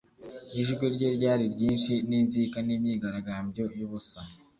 Ijwi rye ryari ryinshi ninzika nimyigaragambyo yubusa